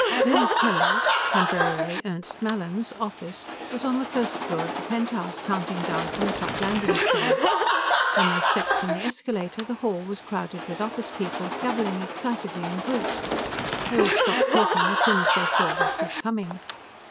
Leonard Kellogg's temporarily Ernst Mallin's office was on the first floor of the penthouse, counting down from the top landing stage. When they stepped from the escalator, the hall was crowded with office people, gabbling excitedly in groups; they all stopped talking as soon as they saw what was coming.